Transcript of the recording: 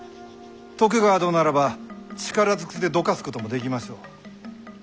徳川殿ならば力ずくでどかすこともできましょう。